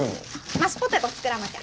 マッシュポテト作らなきゃ。